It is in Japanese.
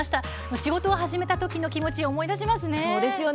仕事を始めたときの気持ちを思い出しますね。